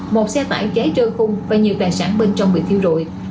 một xe tải cháy trơi khung và nhiều tài sản bên trong bị thiêu rụi